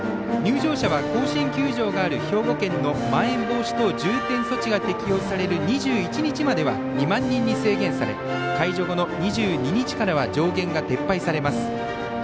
入場者は甲子園球場がある兵庫県のまん延防止等重点措置が適用される２１日までは２万人に制限され解除後の２２日からは上限が撤廃されます。